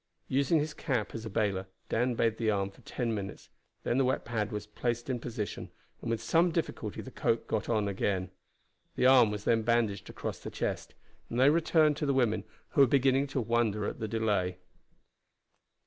Using his cap as a bailer, Dan bathed the arm for ten minutes, then the wet pad was placed in position, and with some difficulty the coat got on again. The arm was then bandaged across the chest, and they returned to the women, who were beginning to wonder at the delay.